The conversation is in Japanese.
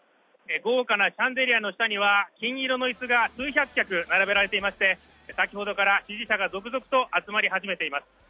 豪華なシャンデリアの下には金色の椅子が数百脚並べられていまして先ほどから支持者が続々と集まり始めています。